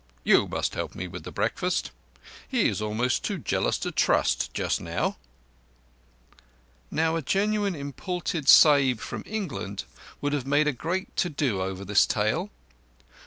You must help me with the breakfast. He is almost too jealous to trust, just now." Now a genuine imported Sahib from England would have made a great to do over this tale.